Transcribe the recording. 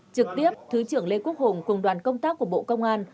trực tiếp thứ trưởng lê quốc hùng cùng đoàn công tác của bộ công an